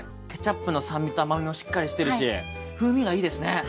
ケチャップの酸味と甘みもしっかりしてるし風味がいいですね。